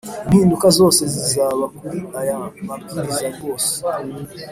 Impinduka zose zizaba kuri aya mabwiriza rwose